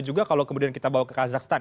juga kalau kemudian kita bawa ke kazakhstan